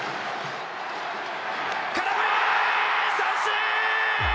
空振り三振！